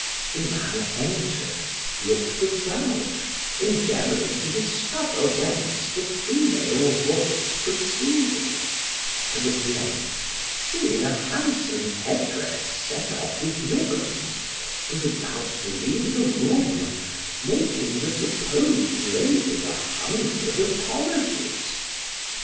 The man entered, looked about, endeavoring to discover whence the female voice proceeded and at length seeing a handsome head dress set off with ribbons, was about to leave the room, making the supposed lady a hundred apologies.